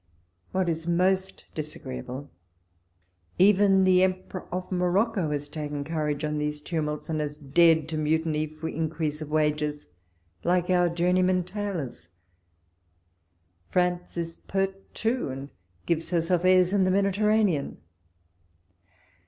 What is most disagreeable, even the Emperor of Morocco has taken courage on these tumults, and has dared to mutiny for increase of wages, walpole's letters. 135 like our journeymen tailors. France is pert too, and gives herself airs in the Mediterranean.